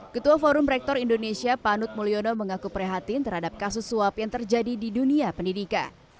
ketua forum rektor indonesia panut mulyono mengaku prihatin terhadap kasus suap yang terjadi di dunia pendidikan